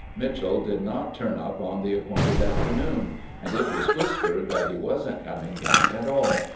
Mitchell did not turn up on the appointed afternoon, and it was whispered that he wasn't coming back at all!